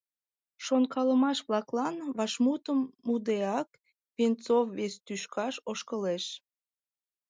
Шонкалымаш-влаклан вашмутым мудеак, Венцов вес тӱшкаш ошкылеш.